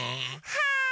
はい！